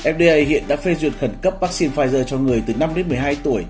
fda hiện đã phê duyệt khẩn cấp vaccine pfizer cho người từ năm đến một mươi hai tuổi